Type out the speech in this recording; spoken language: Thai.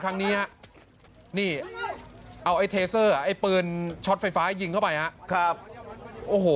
ครั้งนี้นี่เอาคลาโทซัตอัทย์เพลินช็อตไฟฟ้ายิงเข้าไปนะครับโอ้โห